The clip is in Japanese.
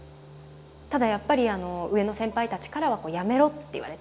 ただやっぱり上の先輩たちからはこうやめろって言われたんですよね。